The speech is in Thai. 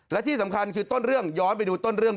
และที่สำคัญคือต้นเรื่องย้อนไปดูต้นเรื่อง